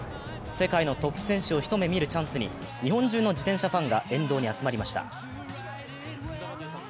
世界のトップ選手を一目見るチャンスに日本中の自転車ファンが沿道に集まりました。